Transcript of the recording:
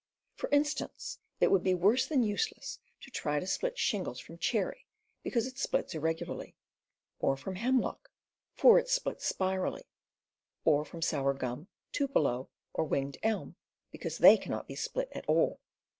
For instance, it would be worse than useless to try to split shingles from cherry, because it splits irregularly; or from hemlock, for it splits spirally; or from sour gum, tupelo, or winged elm, because they cannot be split at all.